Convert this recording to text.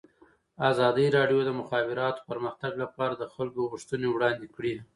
ازادي راډیو د د مخابراتو پرمختګ لپاره د خلکو غوښتنې وړاندې کړي.